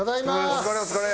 お疲れお疲れ！